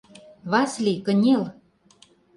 — Васли, кынел!